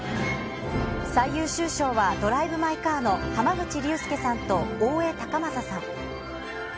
最優秀賞は、ドライブ・マイ・カーの、濱口竜介さんと大江崇允さん。